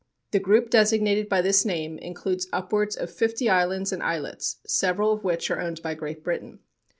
The group designated by this name includes upwards of fifty islands and islets, several of which are owned by Great Britain.